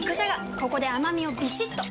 ここで甘みをビシッと！